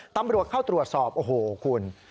ตำรวจเข้าตรวจสอบโอ้โหคุณ